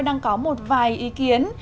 đang có một vài ý kiến